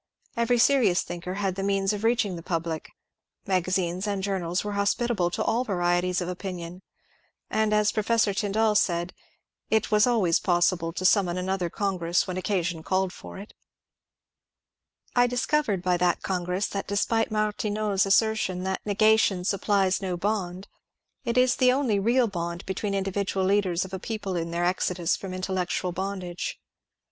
Every seri ous thinker had the means of reaching the public ; magazines and journals were hospitable to all varieties of opinion ; and, as Professor Tyndall said, it was always possible to summon another congress when occasion called for it. MEMBERS OF THE CONGRESS 391 I discovered by that congress that despite Martineau's assertion that ^^ Negation supplies no bond/' it is the only real bond between the individual leaders of a people in their exodus from intellectual bondage.